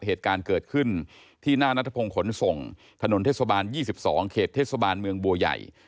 เหตุการณ์เกิดขึ้นที่หน้านัทพงศ์ขนส่งถนนเทศบาล๒๒เขตเทศบาลเมืองบัวใหญ่